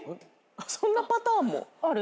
そんなパターンも⁉ある？